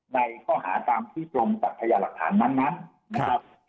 ในข้อหาตามที่ตรงกับพญาหลักฐานนั้นนะครับ